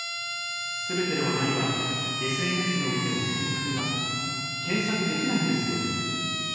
すべてではないが、ＳＮＳにおいても検索が、検索できないんですよ。